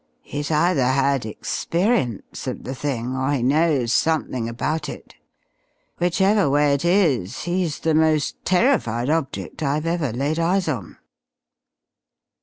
He's either had experience of the thing, or he knows something about it. Whichever way it is, he's the most terrified object I've ever laid eyes on!"